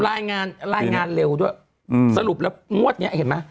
รายงานเร็วด้วยสรุปแล้วงวดนี้เห็นไหม